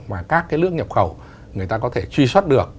mà các cái nước nhập khẩu người ta có thể truy xuất được